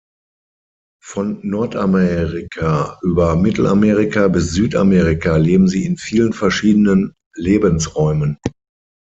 Von Nordamerika über Mittelamerika bis Südamerika leben sie in vielen verschiedenen Lebensräumen.